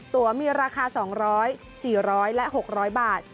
ตัวมีราคา๒๐๐๔๐๐และ๖๐๐บาท